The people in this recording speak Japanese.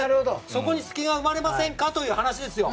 そこに隙が生まれませんかという話ですよ。